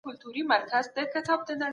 که تحقیق رښتینی وي نو مینه وال پیدا کوي.